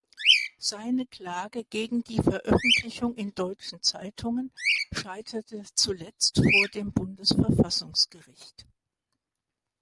Seine Klage gegen die Veröffentlichung in deutschen Zeitungen scheiterte zuletzt vor dem Bundesverfassungsgericht.